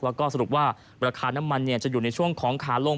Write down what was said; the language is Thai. แล้วก็สรุปว่าราคาน้ำมันจะอยู่ในช่วงของขาลง